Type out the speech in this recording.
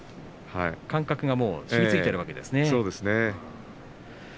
感覚がしみついているわけですね。